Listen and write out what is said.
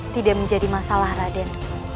tidak menjadi masalah raden